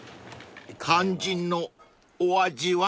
［肝心のお味は？］